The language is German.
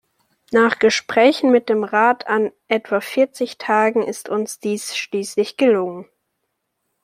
Nach Gesprächen mit dem Rat an etwa vierzig Tagen ist uns dies schließlich gelungen.